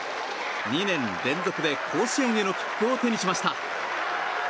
２年連続で甲子園への切符を手にしました。